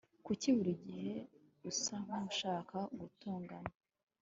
Kuki buri gihe usa nkushaka gutongana